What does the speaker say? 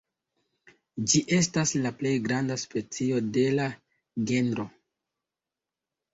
Ĝi estas la plej granda specio de la genro.